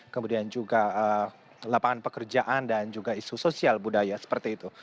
kemudian juga lapangan pekerjaan dan juga isu sosial budaya seperti itu